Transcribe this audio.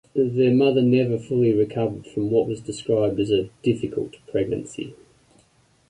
Their mother never fully recovered from what was described as a "difficult" pregnancy.